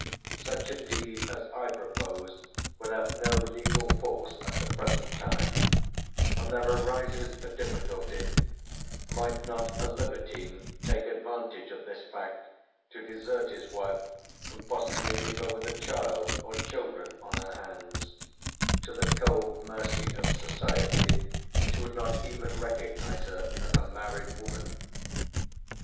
Such a deed as I propose would have no legal force at the present time; and here arises a difficulty: might not a libertine take advantage of this fact to desert his wife and possibly leave her with a child, or children, on her hands; to the cold mercy of society which would not even recognize her as a married woman?